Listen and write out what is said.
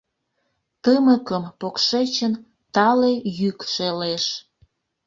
Тымыкым покшечын Тале йӱк шелеш.